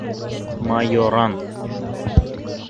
Майоран.